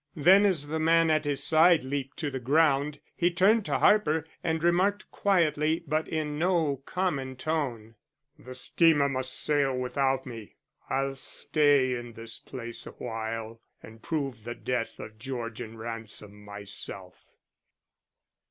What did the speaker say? Then as the man at his side leaped to the ground, he turned to Harper and remarked quietly, but in no common tone: "The steamer must sail without me. I'll stay in this place a while and prove the death of Georgian Ransom myself."